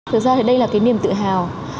thực ra đây là niềm tự hào